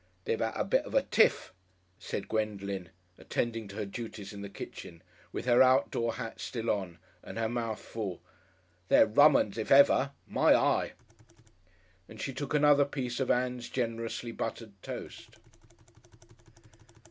"They've 'ad a bit of a tiff," said Gwendolen, attending to her duties in the kitchen, with her outdoor hat still on and her mouth full. "They're rummuns if ever! My eye!" And she took another piece of Ann's generously buttered toast.